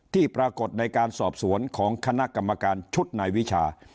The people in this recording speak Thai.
ที่ปรากฏในการสอบสวนของคณะกรรมการชุดนายวิชา